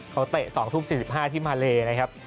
เขาเตะ๒รุ่น๐๘๔๕ที่ภรรยาแถมพนาเล